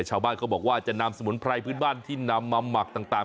ชาวบ้านเขาบอกว่าจะนำสมุนไพรพื้นบ้านที่นำมาหมักต่าง